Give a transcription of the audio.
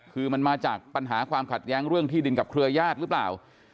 คือมันมาจากปัญหาความขัดแย้งเรื่องที่ดินกับเครือญาติหรือเปล่า